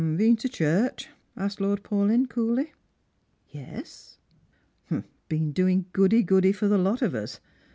" Been to church ?" asked Lord Paulyn coolly. "Yes." •' Been doing goody goody for the lot of us.